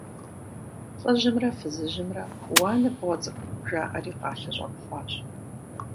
ЛӀыжьымрэ фызыжьымрэ, «уа, ныбгъуэ цӀыкӀу!» жаӀэри, кӀэлъыщӀэпхъуащ.